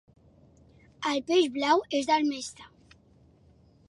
El peix blau és el més sa.